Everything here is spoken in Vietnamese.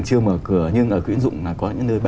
chưa mở cửa nhưng ở quyến dụng là có những nơi